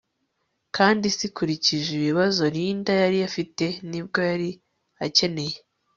kandi disi ukurikije ibibazo Linda yari afite nibwo yari akeneye